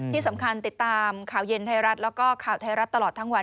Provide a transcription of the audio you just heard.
ที่สำคัญติดตามข่าวเย็นไทยรัฐแล้วก็ข่าวไทยรัฐตลอดทั้งวัน